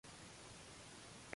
El queso se agrega sí se desea.